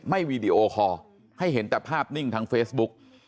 วีดีโอคอร์ให้เห็นแต่ภาพนิ่งทางเฟซบุ๊ก